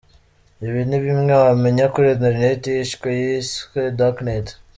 Ibi ni bimwe wamenya kuri internet ihishwe yiswe Dark net.